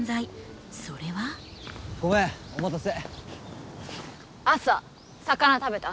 ごめんお待たせ。